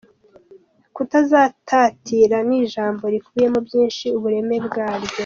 “Kutazatatira’ ni ijambo rikubiyemo byinshi, ubureme bwaryo.